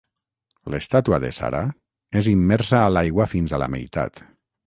L'estàtua de Sara és immersa a l'aigua fins a la meitat.